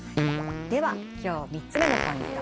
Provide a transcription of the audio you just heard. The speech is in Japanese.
では今日３つ目のポイント。